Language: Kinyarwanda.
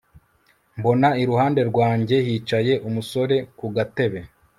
mbona iruhande rwanjye hicaye umusore ku gatebe